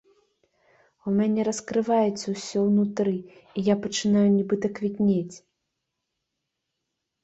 У мяне раскрываецца ўсё ўнутры і я пачынаю нібыта квітнець!